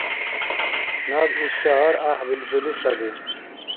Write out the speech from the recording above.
Наб иш шагьар гӀяхӀбилзули саби